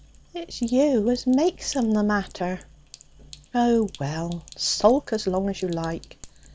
'It's you as makes 'em the matter.' 'Oh, well, sulk as long as you like.'